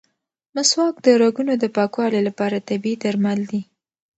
مسواک د رګونو د پاکوالي لپاره طبیعي درمل دي.